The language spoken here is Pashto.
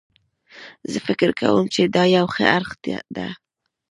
زه فکر کوم چې دا یو ښه اړخ ده